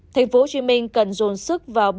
tp hcm cần dồn sức vào